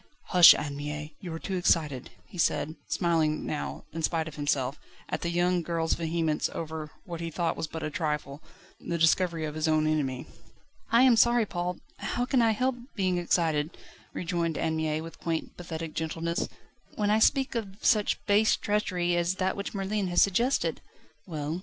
Hush, Anne Mie! you are too excited," he said, smiling now, in spite of himself, at the young girl's vehemence over what he thought was but a trifle the discovery of his own enemy. "I am sorry, Paul. How can I help being excited," rejoined Anne Mie with quaint, pathetic gentleness, "when I speak of such base treachery, as that which Merlin has suggested?" "Well?